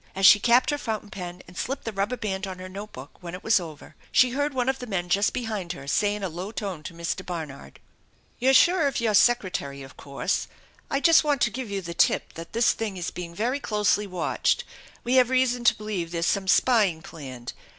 As she capped her fountain pen, and slipped the rubber band on her note book when it was over, she heard one of the men just behind her say in a low tone to Mr. Barnard: " You're sure of your secretary of course ? I just want to give you the tip that this thing is being very closely watched. We have reason to believe there's some spying planned.